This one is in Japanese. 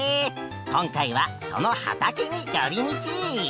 今回はその畑により道！